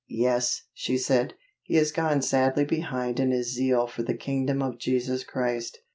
"Yes," she said, "he has gone sadly behind in his zeal for the kingdom of Jesus Christ."